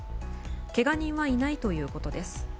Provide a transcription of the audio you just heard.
けが人はいないということです。